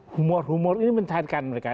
humor humor ini mentahankan mereka